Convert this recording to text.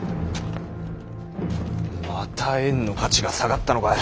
また円の価値が下がったのか。